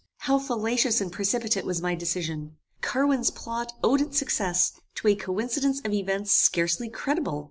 How fallacious and precipitate was my decision! Carwin's plot owed its success to a coincidence of events scarcely credible.